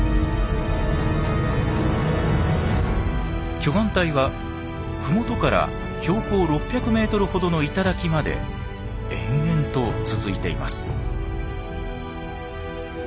巨岩帯は麓から標高６００メートルほどの頂まで延々と続いています。